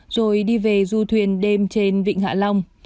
rồi đi về du thuyền đêm trên vịnh hạ long